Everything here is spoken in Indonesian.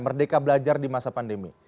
merdeka belajar di masa pandemi